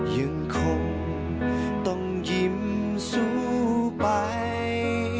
ยังคงต้องยิ้มสู้ไป